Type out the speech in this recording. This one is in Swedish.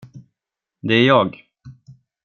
Det är jag.